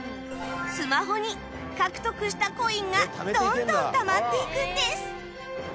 スマホに獲得したコインがどんどんたまっていくんです